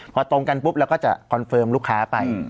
พอตรงกันปุ๊บเราก็จะคอนเฟิร์มลูกค้าไป